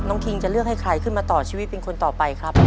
คิงจะเลือกให้ใครขึ้นมาต่อชีวิตเป็นคนต่อไปครับ